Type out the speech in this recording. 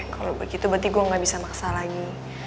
kalau begitu berarti gue gak bisa maksa lagi